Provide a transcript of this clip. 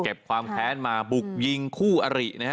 เก็บความแค้นมาบุกยิงคู่อรินะครับ